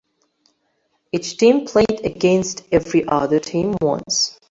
Each team played against every other team once.